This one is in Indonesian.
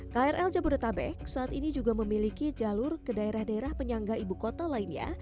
krl jabodetabek saat ini juga memiliki jalur ke daerah daerah penyangga ibu kota lainnya